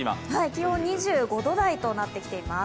気温２５度台となっています。